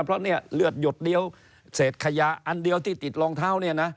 เพราะเนี่ยเลือดหยดเดียวเศษขยะอันเดียวที่ติดรองเท้าเนี่ยนะ